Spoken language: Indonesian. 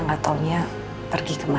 ga taunya pergi kemana